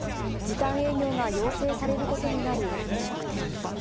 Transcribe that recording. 時短営業が要請されることになる飲食店。